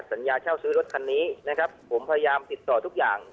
เช่าซื้อรถคันนี้นะครับผมพยายามติดต่อทุกอย่าง